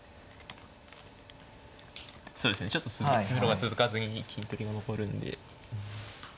そうですねちょっと詰めろが続かずに金取りが残るんで。